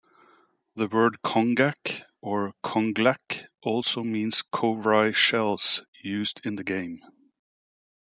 The word "congkak" or "congklak" also means cowrie shells, used in the game.